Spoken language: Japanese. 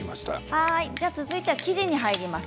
続いて生地に入ります。